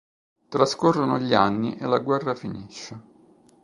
Trascorrono gli anni e la guerra finisce.